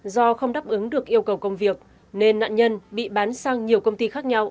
do không đáp ứng được yêu cầu công việc nên nạn nhân bị bán sang nhiều công ty khác nhau